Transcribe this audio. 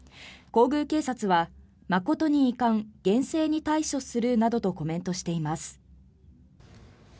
皇宮警察は、誠に遺憾厳正に対処するなどとコメントしています。